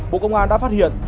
bộ công an đã phát hiện